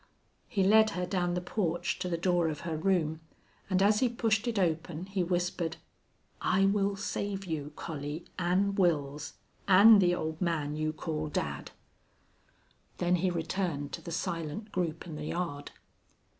He led her down the porch to the door of her room, and as he pushed it open he whispered, "I will save you, Collie, an' Wils, an' the old man you call dad!" Then he returned to the silent group in the yard.